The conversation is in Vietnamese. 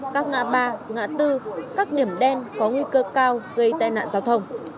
các ngã ba ngã tư các điểm đen có nguy cơ cao gây tai nạn giao thông